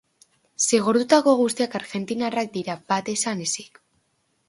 Zigortutako guztiak argentinarrak dira bat izan ezik.